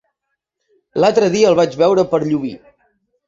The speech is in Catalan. L'altre dia el vaig veure per Llubí.